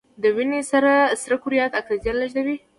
د وینې سره کرویات اکسیجن لیږدوي